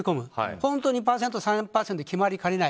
本当に２％、３％で決まりかねない。